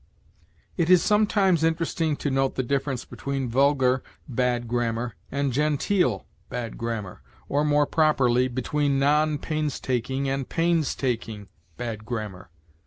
It is sometimes interesting to note the difference between vulgar bad grammar and genteel bad grammar, or, more properly, between non painstaking and painstaking bad grammar.